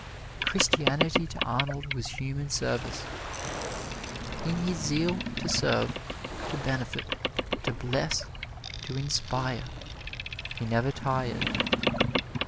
Christianity to Arnold was human service. In his zeal to serve, to benefit, to bless, to inspire, he never tired.